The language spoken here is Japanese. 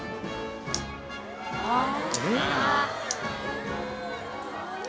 「ああ」